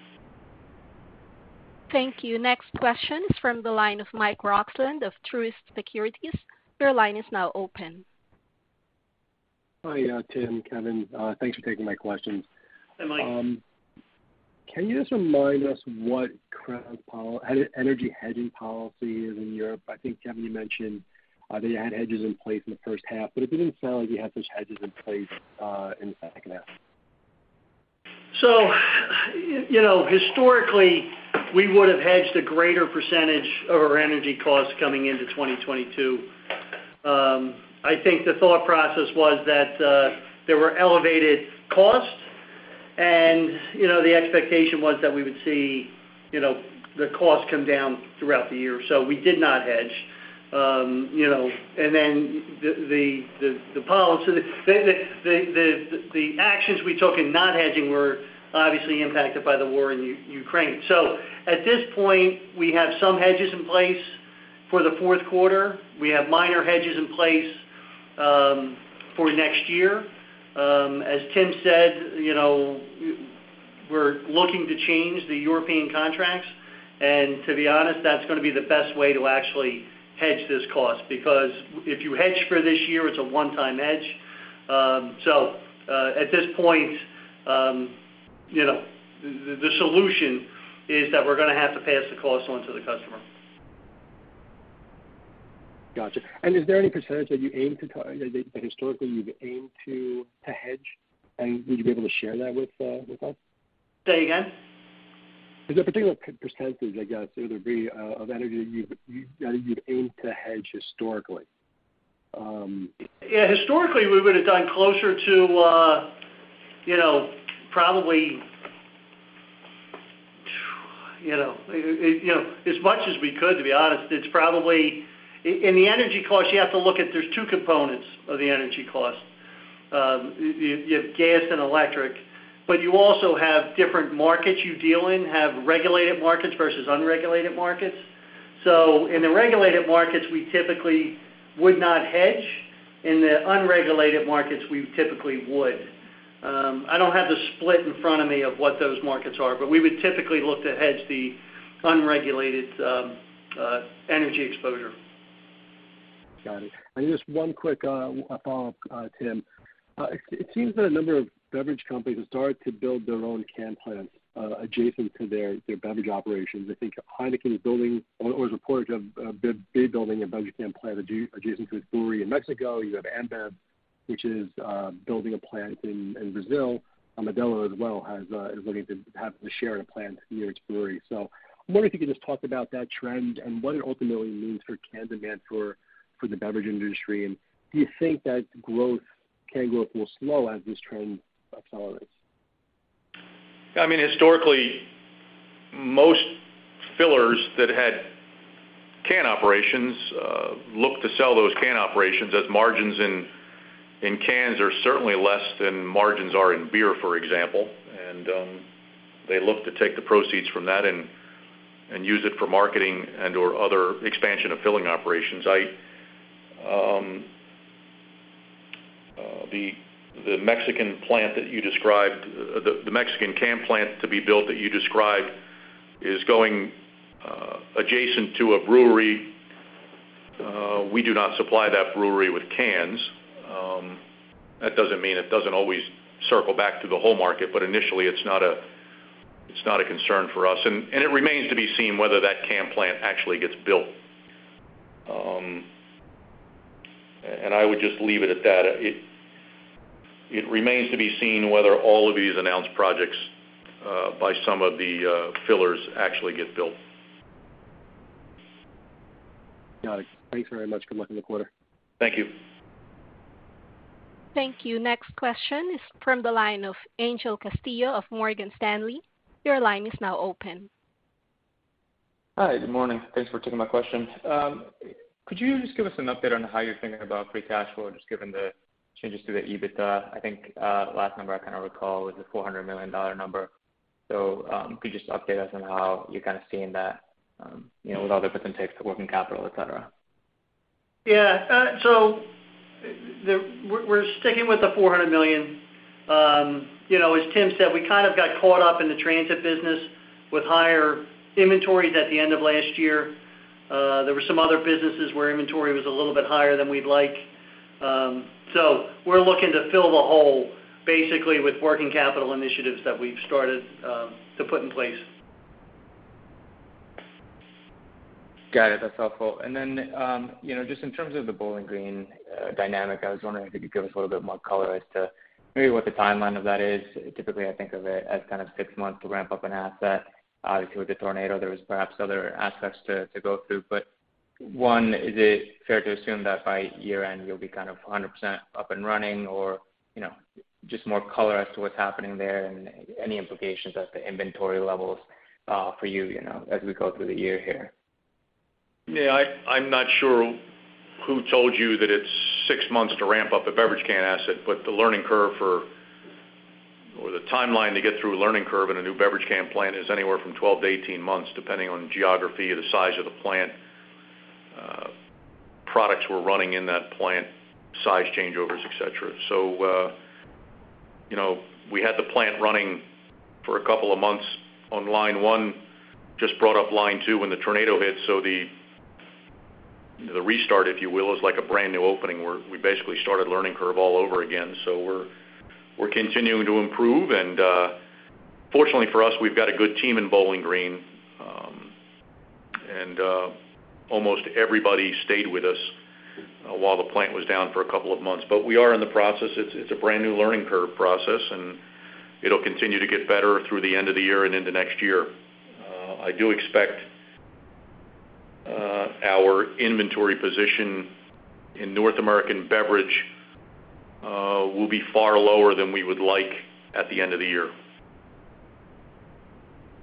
Next question is from the line of Michael Roxland of Truist Securities. Your line is now open. Hi, Tim, Kevin. Thanks for taking my questions. Hi, Mike. Can you just remind us what Crown's energy hedging policy is in Europe? I think, Kevin, you mentioned that you had hedges in place in the first half, but it didn't sound like you had those hedges in place in the second half. You know, historically, we would have hedged a greater percentage of our energy costs coming into 2022. I think the thought process was that there were elevated costs, and you know, the expectation was that we would see you know, the costs come down throughout the year. We did not hedge, you know, and then the policy, the actions we took in not hedging were obviously impacted by the war in Ukraine. At this point, we have some hedges in place for the fourth quarter. We have minor hedges in place for next year. As Tim said, you know, we're looking to change the European contracts. To be honest, that's gonna be the best way to actually hedge this cost. Because if you hedge for this year, it's a one-time hedge. At this point, you know, the solution is that we're gonna have to pass the cost on to the customer. Gotcha. Is there any percentage that you aim to that historically you've aimed to hedge? Would you be able to share that with us? Say again? Is there a particular percentage, I guess, it would be, of energy that you aim to hedge historically? Yeah, historically, we would have done closer to, you know, probably, you know, as much as we could, to be honest. It's probably. In the energy cost, you have to look at there's two components of the energy cost. You have gas and electric, but you also have different markets you deal in, have regulated markets versus unregulated markets. In the regulated markets, we typically would not hedge. In the unregulated markets, we typically would. I don't have the split in front of me of what those markets are, but we would typically look to hedge the unregulated energy exposure. Got it. Just one quick follow-up, Tim. It seems that a number of beverage companies have started to build their own can plants adjacent to their beverage operations. I think Heineken is building or has reported of building a beverage can plant adjacent to a brewery in Mexico. You have Ambev, which is building a plant in Brazil. Modelo as well is looking to have a share in a plant near its brewery. I'm wondering if you could just talk about that trend and what it ultimately means for can demand for the beverage industry. Do you think that growth, can growth will slow as this trend accelerates? I mean, historically, most fillers that had can operations look to sell those can operations as margins in cans are certainly less than margins in beer, for example. They look to take the proceeds from that and use it for marketing and/or other expansion of filling operations. The Mexican plant that you described, the Mexican can plant to be built that you described is going adjacent to a brewery. We do not supply that brewery with cans. That doesn't mean it doesn't always circle back to the whole market, but initially, it's not a concern for us. It remains to be seen whether that can plant actually gets built. I would just leave it at that. It remains to be seen whether all of these announced projects by some of the fillers actually get built. Got it. Thanks very much. Good luck in the quarter. Thank you. Thank you. Next question is from the line of Angel Castillo of Morgan Stanley. Your line is now open. Hi, good morning. Thanks for taking my question. Could you just give us an update on how you're thinking about free cash flow, just given the changes to the EBITDA? I think, last number I kind of recall was the $400 million number. Could you just update us on how you're kind of seeing that, you know, with other specifics to working capital, et cetera? Yeah, we're sticking with the $400 million. You know, as Tim said, we kind of got caught up in the transit business with higher inventories at the end of last year. There were some other businesses where inventory was a little bit higher than we'd like. We're looking to fill the hole basically with working capital initiatives that we've started to put in place. Got it. That's helpful. You know, just in terms of the Bowling Green dynamic, I was wondering if you could give us a little bit more color as to maybe what the timeline of that is. Typically, I think of it as kind of six months to ramp up an asset. Obviously, with the tornado, there was perhaps other aspects to go through. One, is it fair to assume that by year-end, you'll be kind of 100% up and running? Or, you know, just more color as to what's happening there and any implications at the inventory levels for, you know, as we go through the year here. I'm not sure who told you that it's six months to ramp up a beverage can asset, but the learning curve or the timeline to get through a learning curve in a new beverage can plant is anywhere from 12-18 months, depending on geography, the size of the plant, products we're running in that plant, size changeovers, et cetera. You know, we had the plant running for a couple of months on line one, just brought up line two when the tornado hit, so the restart, if you will, is like a brand-new opening, where we basically started learning curve all over again. We're continuing to improve. Fortunately for us, we've got a good team in Bowling Green. Almost everybody stayed with us while the plant was down for a couple of months. We are in the process. It's a brand-new learning curve process, and it'll continue to get better through the end of the year and into next year. I do expect our inventory position in North American beverage will be far lower than we would like at the end of the year.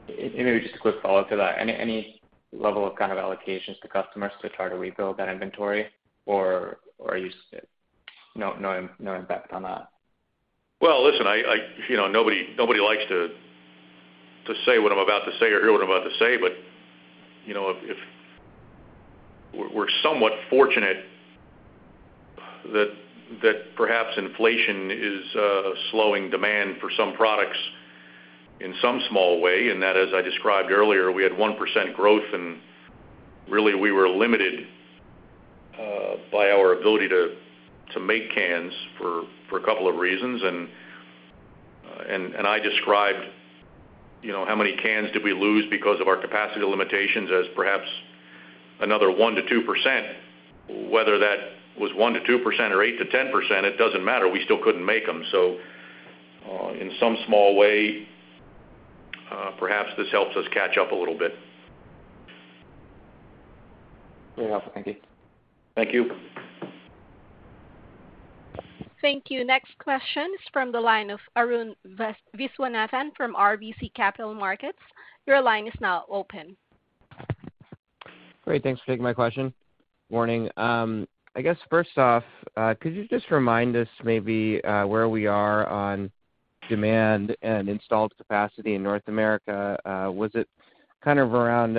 Maybe just a quick follow-up to that. Any level of kind of allocations to customers to try to rebuild that inventory, or are you--no impact on that? Well, listen, I, you know, nobody likes to say what I'm about to say or hear what I'm about to say, but you know, if we're somewhat fortunate that perhaps inflation is slowing demand for some products in some small way, and that, as I described earlier, we had 1% growth, and really we were limited by our ability to make cans for a couple of reasons. I described, you know, how many cans did we lose because of our capacity limitations as perhaps another 1%-2%. Whether that was 1%-2% or 8%-10%, it doesn't matter. We still couldn't make them. In some small way, perhaps this helps us catch up a little bit. Very helpful. Thank you. Thank you. Thank you. Next question is from the line of Arun Viswanathan from RBC Capital Markets. Your line is now open. Great. Thanks for taking my question. Morning. I guess, first off, could you just remind us maybe where we are on demand and installed capacity in North America? Was it kind of around,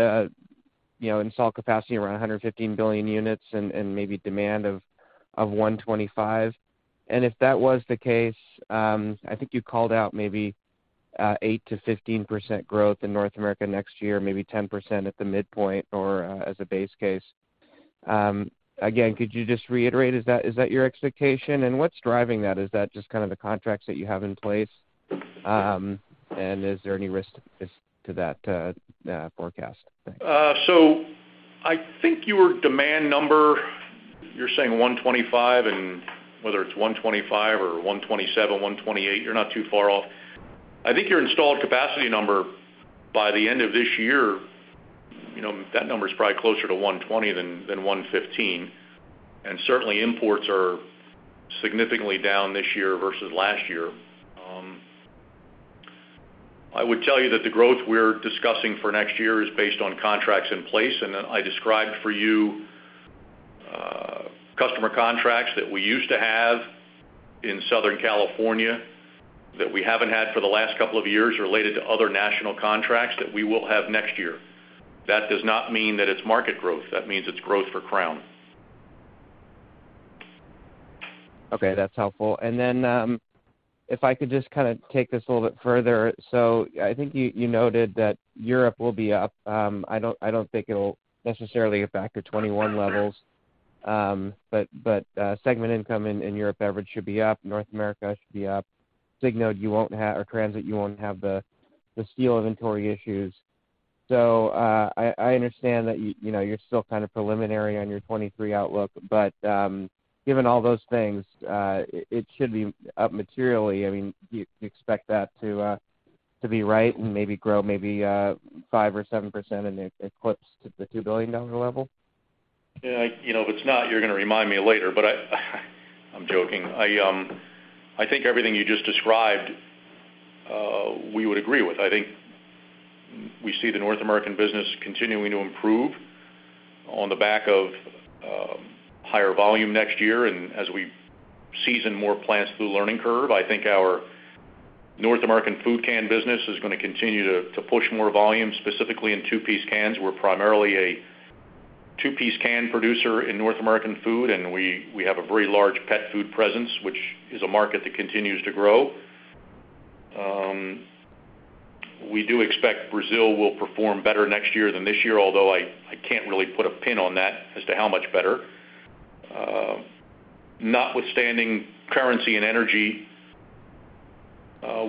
you know, installed capacity around 115 billion units and maybe demand of 125? If that was the case, I think you called out maybe 8%-15% growth in North America next year, maybe 10% at the midpoint or as a base case. Again, could you just reiterate, is that your expectation? What's driving that? Is that just kind of the contracts that you have in place? Is there any risk to that forecast? Thanks. I think your demand number, you're saying 125, and whether it's 125 or 127, 128, you're not too far off. I think your installed capacity number by the end of this year, you know, that number is probably closer to 120 than 115. Certainly, imports are significantly down this year versus last year. I would tell you that the growth we're discussing for next year is based on contracts in place. I described for you customer contracts that we used to have in Southern California that we haven't had for the last couple of years related to other national contracts that we will have next year. That does not mean that it's market growth. That means it's growth for Crown. Okay, that's helpful. Then, if I could just kinda take this a little bit further. I think you noted that Europe will be up. I don't think it'll necessarily get back to 2021 levels. But segment income in Europe average should be up. North America should be up. Signode or Transit, you won't have the steel inventory issues. I understand that, you know, you're still kind of preliminary on your 2023 outlook, but given all those things, it should be up materially. I mean, do you expect that to be right and maybe grow 5% or 7% and eclipse the $2 billion level? Yeah. You know, if it's not--you're gonna remind me later, but I'm joking. I think everything you just described, we would agree with. I think we see the North American business continuing to improve on the back of higher volume next year and as we season more plants through learning curve. I think our North American food can business is gonna continue to push more volume, specifically in two-piece cans. We're primarily a two-piece can producer in North American food, and we have a very large pet food presence, which is a market that continues to grow. We do expect Brazil will perform better next year than this year, although I can't really pin down that as to how much better. Notwithstanding currency and energy,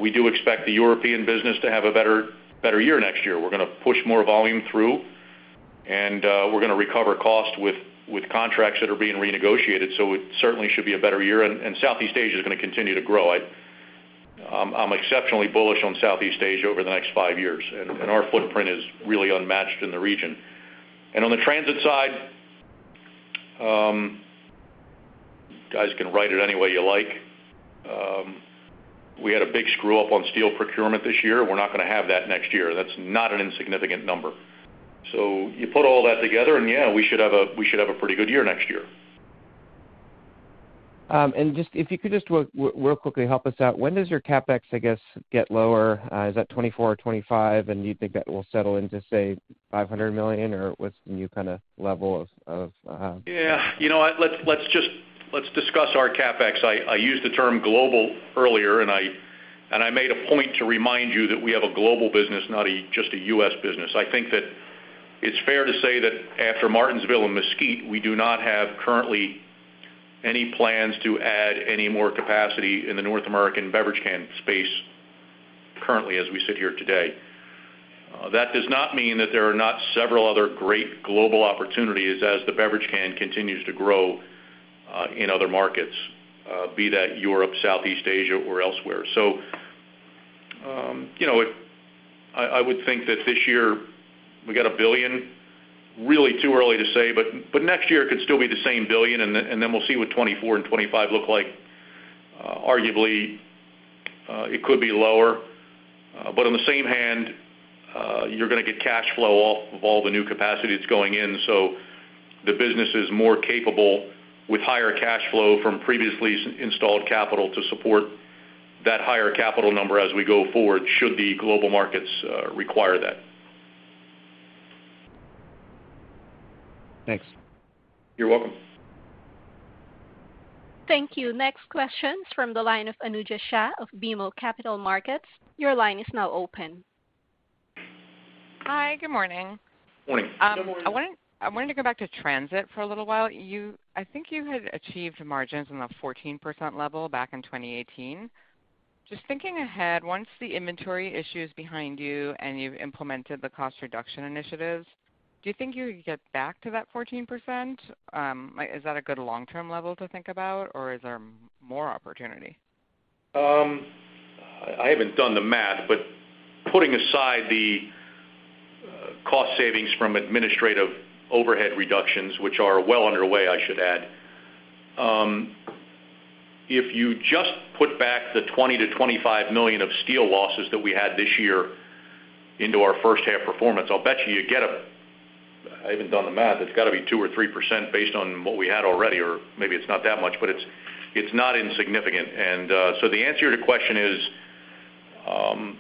we do expect the European business to have a better year next year. We're gonna push more volume through, and we're gonna recover cost with contracts that are being renegotiated, so it certainly should be a better year, and Southeast Asia is gonna continue to grow. I'm exceptionally bullish on Southeast Asia over the next five years, and our footprint is really unmatched in the region. On the transit side, you guys can write it any way you like. We had a big screw-up on steel procurement this year. We're not gonna have that next year. That's not an insignificant number. You put all that together, and yeah, we should have a pretty good year next year. If you could just really quickly help us out. When does your CapEx, I guess, get lower? Is that 2024 or 2025, and do you think that will settle into, say, $500 million, or what's the new kind of level of- Yeah. You know what, let's just discuss our CapEx. I used the term global earlier, and I made a point to remind you that we have a global business, not just a U.S. business. I think that it's fair to say that after Martinsville and Mesquite, we do not have currently any plans to add any more capacity in the North American beverage can space currently as we sit here today. That does not mean that there are not several other great global opportunities as the beverage can continues to grow in other markets, be that Europe, Southeast Asia or elsewhere. I would think that this year, we got $1 billion, really too early to say, but next year it could still be the same $1 billion, and then we'll see what 2024 and 2025 look like. Arguably, it could be lower. But on the other hand, you're gonna get cash flow off of all the new capacity that's going in, so the business is more capable with higher cash flow from previously installed capital to support that higher capital number as we go forward should the global markets require that. Thanks. You're welcome. Thank you. Next question's from the line of Anojja Shah of BMO Capital Markets. Your line is now open. Hi. Good morning. Morning. Good morning. I wanted to go back to transit for a little while. You, I think, you had achieved margins on the 14% level back in 2018. Just thinking ahead, once the inventory issue is behind you and you've implemented the cost reduction initiatives, do you think you could get back to that 14%? Like, is that a good long-term level to think about, or is there more opportunity? I haven't done the math, but putting aside the cost savings from administrative overhead reductions, which are well underway, I should add, if you just put back the $20 million-$25 million of steel losses that we had this year into our first half performance, I'll bet you get--I haven't done the math, it's gotta be 2%-3% based on what we had already, or maybe it's not that much, but it's not insignificant. The answer to your question is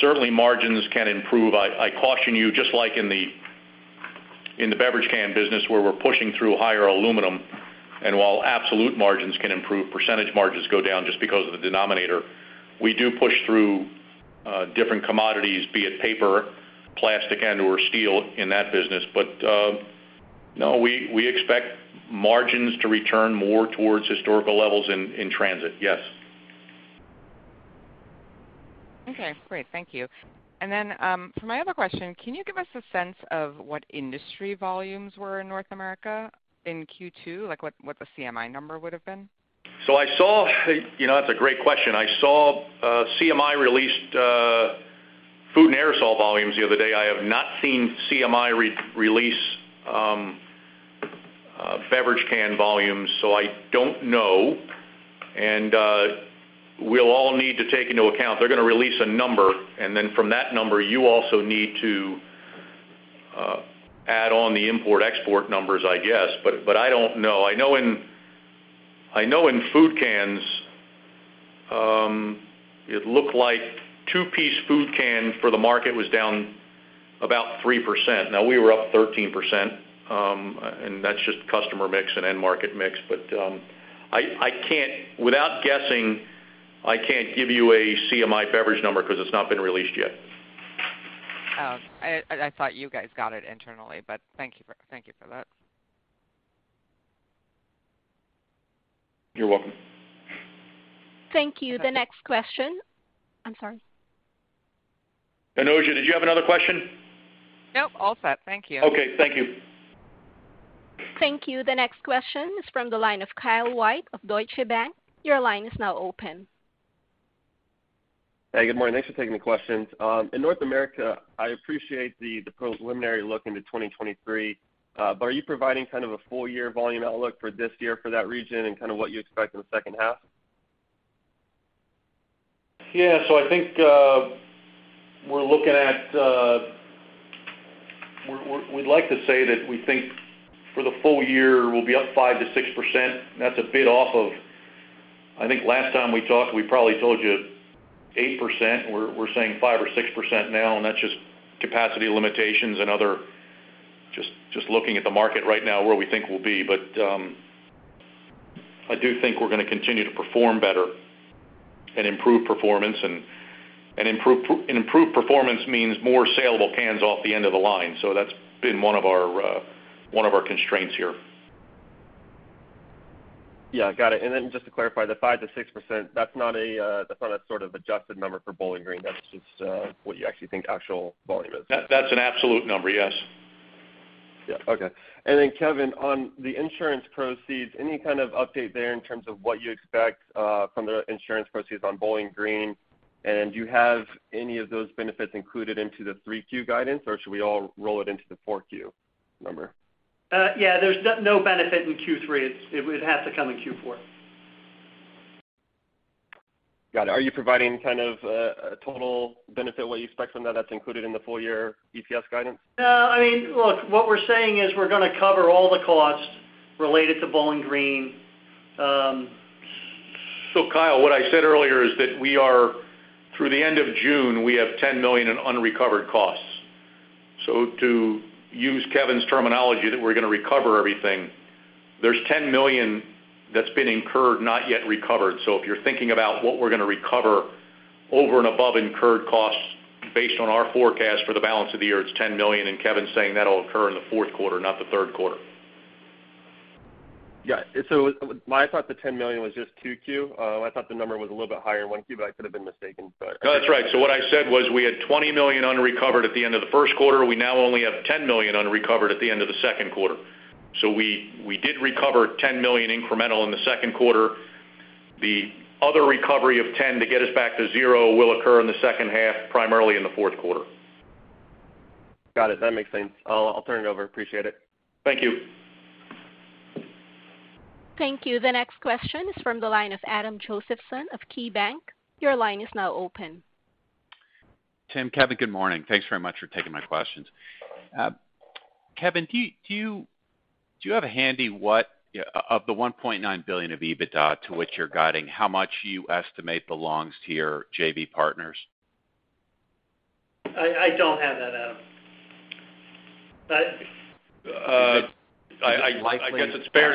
certainly margins can improve. I caution you, just like in the beverage can business where we're pushing through higher aluminum, and while absolute margins can improve, percentage margins go down just because of the denominator. We do push through different commodities, be it paper, plastic and/or steel in that business. No, we expect margins to return more towards historical levels in transit, yes. Okay, great. Thank you. Then, for my other question, can you give us a sense of what industry volumes were in North America in Q2? Like what the CMI number would've been? You know, that's a great question. I saw CMI released food and aerosol volumes the other day. I have not seen CMI re-release beverage can volumes, so I don't know. We'll all need to take into account, they're gonna release a number, and then from that number, you also need to add on the import/export numbers, I guess. I don't know. I know in food cans, it looked like two-piece food can for the market was down about 3%. Now, we were up 13%, and that's just customer mix and end market mix. Without guessing, I can't give you a CMI beverage number 'cause it's not been released yet. Oh, I thought you guys got it internally, but thank you for that. You're welcome. Thank you. I'm sorry. Anojja, did you have another question? Nope, all set. Thank you. Okay, thank you. Thank you. The next question is from the line of Kyle White of Deutsche Bank. Your line is now open. Hey, good morning. Thanks for taking the questions. In North America, I appreciate the preliminary look into 2023. But are you providing kind of a full year volume outlook for this year for that region and kind of what you expect in the second half? I think we'd like to say that we think for the full year, we'll be up 5%-6%. That's a bit off of--I think last time we talked, we probably told you 8%. We're saying 5% or 6% now, and that's just capacity limitations and other. Just looking at the market right now where we think we'll be, but I do think we're gonna continue to perform better and improve performance. Improved performance means more saleable cans off the end of the line. That's been one of our constraints here. Yeah, got it. Just to clarify, the 5%-6%, that's not a sort of adjusted number for Bowling Green. That's just what you actually think actual volume is. That, that's an absolute number, yes. Yeah. Okay. Kevin, on the insurance proceeds, any kind of update there in terms of what you expect from the insurance proceeds on Bowling Green? Do you have any of those benefits included into the 3Q guidance, or should we all roll it into the 4Q number? Yeah, there's no benefit in Q3. It would have to come in Q4. Got it. Are you providing kind of a total benefit, what you expect from that's included in the full year EPS guidance? No. I mean, look, what we're saying is we're gonna cover all the costs related to Bowling Green. Kyle, what I said earlier is that we are through the end of June, we have $10 million in unrecovered costs. To use Kevin's terminology that we're gonna recover everything, there's $10 million that's been incurred, not yet recovered. If you're thinking about what we're gonna recover over and above incurred costs based on our forecast for the balance of the year, it's $10 million, and Kevin's saying that'll occur in the fourth quarter, not the third quarter. My thought, the $10 million was just 2Q. I thought the number was a little bit higher in 1Q, but I could have been mistaken. No, that's right. What I said was we had $20 million unrecovered at the end of the first quarter. We now only have $10 million unrecovered at the end of the second quarter. We did recover $10 million incremental in the second quarter. The other recovery of $10 million to get us back to zero will occur in the second half, primarily in the fourth quarter. Got it. That makes sense. I'll turn it over. Appreciate it. Thank you. Thank you. The next question is from the line of Adam Josephson of KeyBank. Your line is now open. Tim, Kevin, good morning. Thanks very much for taking my questions. Kevin, of the $1.9 billion of EBITDA to which you're guiding, how much do you estimate belongs to your JV partners? I don't have that, Adam. I guess it's fair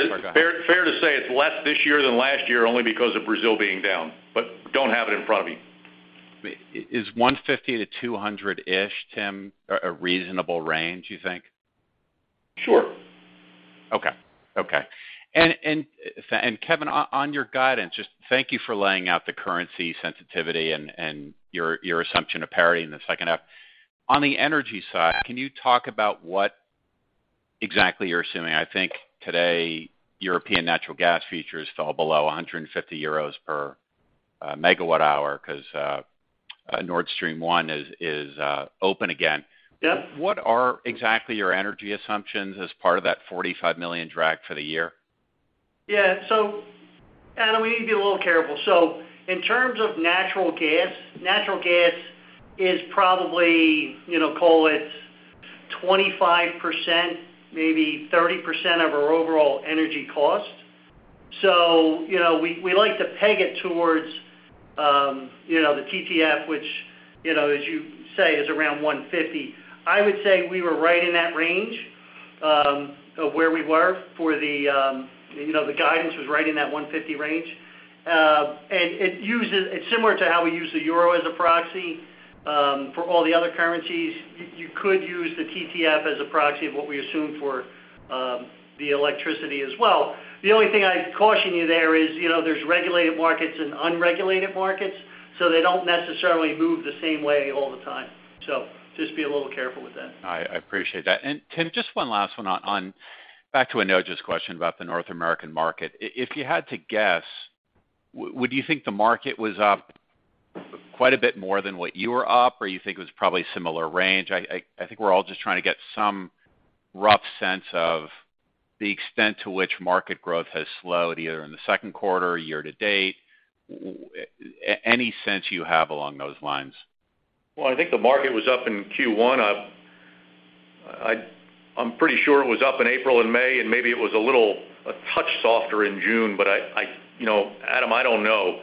to say it's less this year than last year only because of Brazil being down, but don't have it in front of me. Is $150-$200-ish, Tim, a reasonable range, you think? Sure. Okay. Kevin, on your guidance, just thank you for laying out the currency sensitivity and your assumption of parity in the second half. On the energy side, can you talk about what exactly you're assuming? I think today European natural gas futures fell below 150 euros per MWh 'cause Nord Stream 1 is open again. Yeah. What are exactly your energy assumptions as part of that $45 million drag for the year? Yeah. Adam, we need to be a little careful. In terms of natural gas, natural gas is probably, you know, call it 25%, maybe 30% of our overall energy cost. You know, we like to peg it towards, you know, the TTF, which, you know, as you say, is around $150. I would say we were right in that range, of where we were for the, you know, the guidance was right in that $150 range. It's similar to how we use the euro as a proxy, for all the other currencies. You could use the TTF as a proxy of what we assume for, the electricity as well. The only thing I'd caution you there is, you know, there's regulated markets and unregulated markets, so they don't necessarily move the same way all the time. Just be a little careful with that. I appreciate that. Tim, just one last one on back to Anojja's question about the North American market. If you had to guess, would you think the market was up quite a bit more than what you were up, or you think it was probably similar range? I think we're all just trying to get some rough sense of the extent to which market growth has slowed, either in the second quarter, year to date. Any sense you have along those lines? Well, I think the market was up in Q1. I'm pretty sure it was up in April and May, and maybe it was a touch softer in June. You know, Adam, I don't know.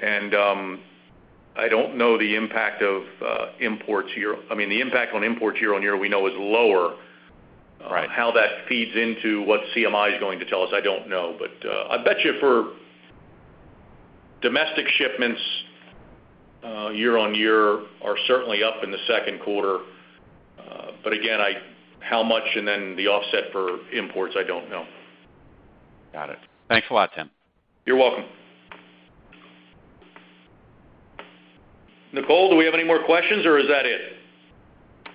I mean, I don't know the impact. The impact on imports year-on-year we know is lower. Right. How that feeds into what CMI is going to tell us, I don't know. I bet you for domestic shipments, year-on-year are certainly up in the second quarter. Again, how much and then the offset for imports, I don't know. Got it. Thanks a lot, Tim. You're welcome. Nicole, do we have any more questions, or is that it?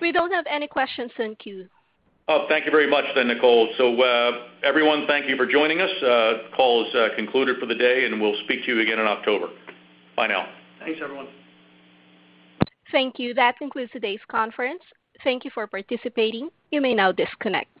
We don't have any questions in queue. Oh, thank you very much then, Nicole. Everyone, thank you for joining us. Call is concluded for the day, and we'll speak to you again in October. Bye now. Thanks, everyone. Thank you. That concludes today's conference. Thank you for participating. You may now disconnect.